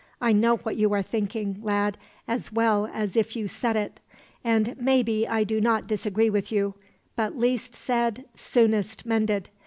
I know what you are thinking, lad, as well as if you said it; and maybe I do not disagree with you; but least said, soonest mended.